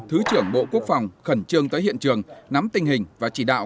thứ trưởng bộ quốc phòng khẩn trương tới hiện trường nắm tình hình và chỉ đạo